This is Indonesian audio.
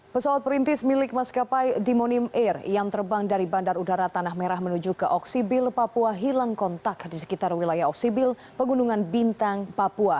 pesawat perintis milik maskapai dimonim air yang terbang dari bandar udara tanah merah menuju ke oksibil papua hilang kontak di sekitar wilayah oksibil pegunungan bintang papua